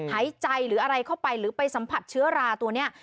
หายใจหรืออะไรเข้าไปหรือไปสัมผัสเชื้อราตัวนี้